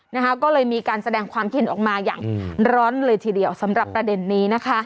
นะคะก็เลยมีการแสดงความคิดออกมาอย่างร้อนเลยทีเดียวสำหรับประเด็นนี้นะคะ